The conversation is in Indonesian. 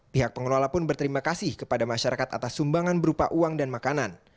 pihak pengelola pun berterima kasih kepada masyarakat atas sumbangan berupa uang dan makanan